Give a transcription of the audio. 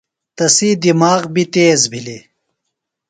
تسی دماغ بیۡ تیز بِھلیۡ۔